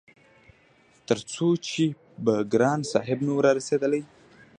تر څو چې به ګران صاحب نه وو رارسيدلی-